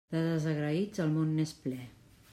De desagraïts el món n'és ple.